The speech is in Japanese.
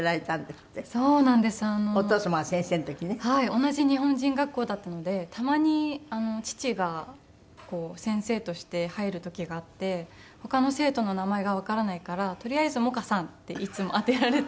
同じ日本人学校だったのでたまに父が先生として入る時があって他の生徒の名前がわからないから「とりあえず萌歌さん」っていつも当てられていて。